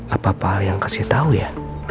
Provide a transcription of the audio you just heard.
apa apa yang kasih tahu ya